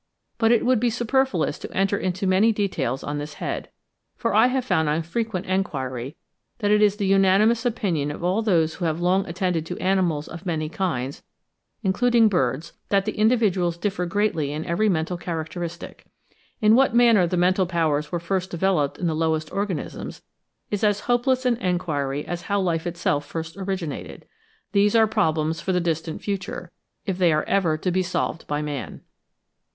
But it would be superfluous to enter into many details on this head, for I have found on frequent enquiry, that it is the unanimous opinion of all those who have long attended to animals of many kinds, including birds, that the individuals differ greatly in every mental characteristic. In what manner the mental powers were first developed in the lowest organisms, is as hopeless an enquiry as how life itself first originated. These are problems for the distant future, if they are ever to be solved by man.